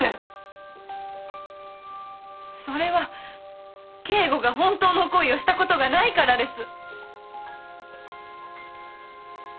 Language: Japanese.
それは京吾が本当の恋をしたことがないからです。